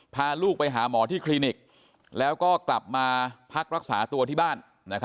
พาลูกไปหาหมอที่คลินิกแล้วก็กลับมาพักรักษาตัวที่บ้าน